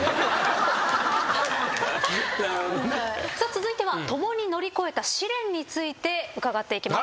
続いては共に乗り越えた試練について伺っていきます。